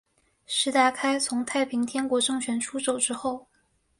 石达开从太平天国政权出走之后。